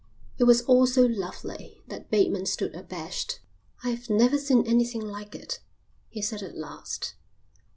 It was all so lovely that Bateman stood abashed. "I've never seen anything like it," he said at last.